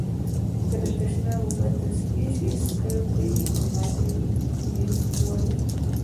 که د تشناب اوبه تصفيه شي، څښلو ته يې آماده يئ؟ ولې؟